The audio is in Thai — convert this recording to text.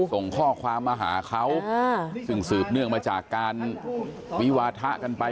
ส่งข้อความมาหาเขาซึ่งสืบเนื่องมาจากการวิวาทะกันไป